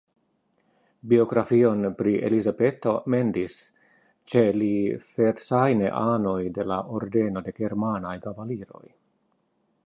Biografion pri Elizabeto "mendis" ĉe li verŝajne anoj de la Ordeno de germanaj kavaliroj.